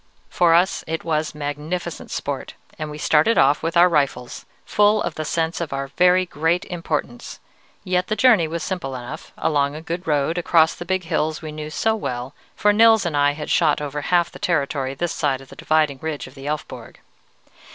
"For us, it was magnificent sport, and we started off with our rifles, full of the sense of our very great importance: yet the journey was simple enough, along a good road, across the big hills we knew so well, for Nils and I had shot over half the territory this side of the dividing ridge of the Elfborg.